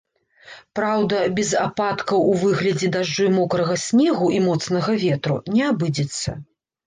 Праўда, без ападкаў у выглядзе дажджу і мокрага снегу і моцнага ветру не абыдзецца.